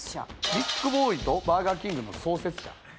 ビッグボーイとバーガーキングの創設者。